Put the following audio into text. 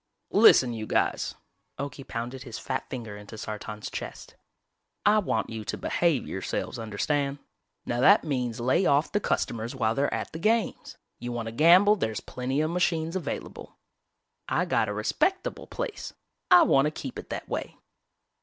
"Listen, you guys," Okie pounded his fat finger into Sartan's chest. "I want you to behave yourselves, understand? Now that means lay off the customers while they're at the games. You wanna gamble there is plenty of machines available. I got a respectable place, I wanna keep it that way!"